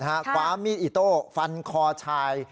คว้ามีดอิโต้ฟันคอชาย